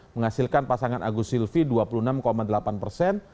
menghasilkan pasangan agus silvi dua puluh enam delapan persen